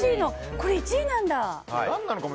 これ、１位なんだ。